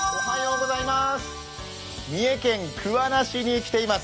三重県桑名市に来ています。